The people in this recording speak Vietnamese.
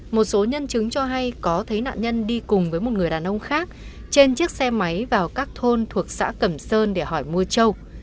một số nhân chứng cho hay có thấy nạn nhân đi cùng với một người đàn ông khác trên chiếc xe máy vào các thôn thuộc xã cẩm sơn để hỏi mua trâu